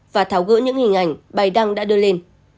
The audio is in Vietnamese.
và tháo gỡ những hình ảnh bài đăng đã đưa lên